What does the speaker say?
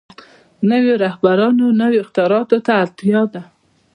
نويو رهبرانو او نويو اختراعاتو ته اړتيا ده.